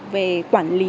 về quản lý